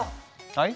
はい。